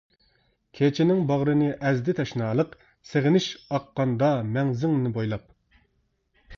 كېچىنىڭ باغرىنى ئەزدى تەشنالىق، سېغىنىش ئاققاندا مەڭزىڭنى بويلاپ.